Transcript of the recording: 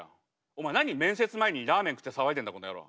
お前何面接前にラーメン食って騒いでんだこの野郎。